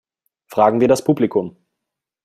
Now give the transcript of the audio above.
Fragen wir das Publikum!